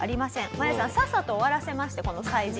マヤさんさっさと終わらせましてこの催事。